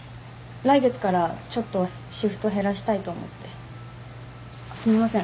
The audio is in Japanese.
来月からちょっとシフト減らしたいと思ってすみません